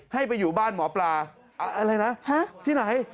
ให้ไปอยู่บ้านหมอปลาอะไรนะที่ไหน